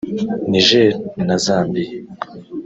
Niger na Zambia